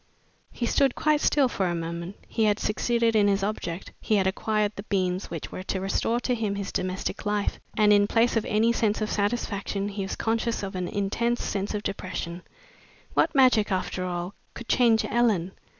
He stood quite still for a moment. He had succeeded in his object, he had acquired the beans which were to restore to him his domestic life, and in place of any sense of satisfaction he was conscious of an intense sense of depression. What magic, after all, could change Ellen!